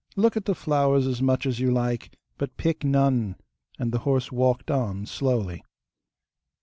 Look at the flowers as much as you like, but pick none,' and the horse walked on slowly.